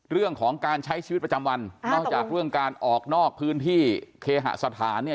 เรื่องของการใช้ชีวิตประจำวันนอกจากเรื่องการออกนอกพื้นที่เคหสถานเนี่ย